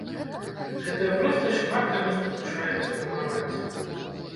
Гэтая простасць шмат каго спакушае паспрабаваць.